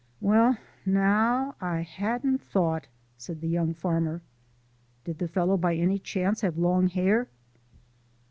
"Well, naow, I hadn't thought," said the young farmer. "Did the fellow by any chance have long hair?"